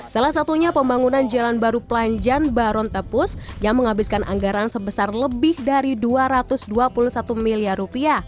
salah satunya pembangunan jalan baru pelanjan barontepus yang menghabiskan anggaran sebesar lebih dari rp dua ratus dua puluh satu miliar